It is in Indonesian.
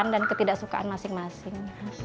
dan ketidaksukaan masing masing